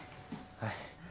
はい。